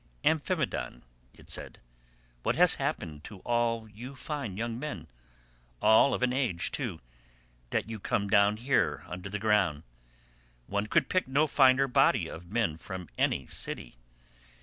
"Amphimedon," it said, "what has happened to all you fine young men—all of an age too—that you are come down here under the ground? One could pick no finer body of men from any city.